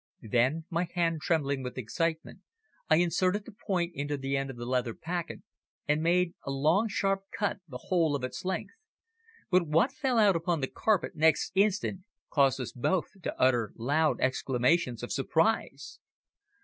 Then, my hand trembling with excitement, I inserted the point into the end of the leather packet and made a long sharp cut the whole of its length, but what fell out upon the carpet next instant caused us both to utter loud exclamations of surprise.